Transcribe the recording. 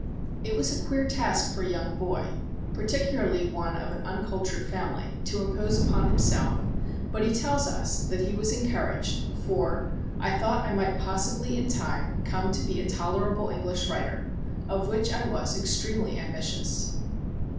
It was a queer task for a young boy particularly one of an uncultured family to impose upon himself; but he tells us that he was encouraged, for, "I thought I might possibly in time come to be a tolerable English writer, of which I was extremely ambitious."